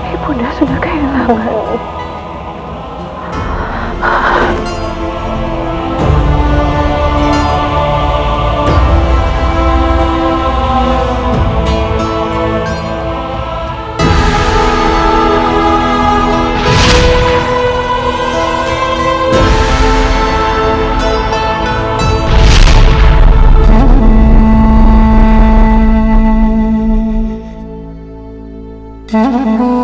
ibu saya sudah kehilanganmu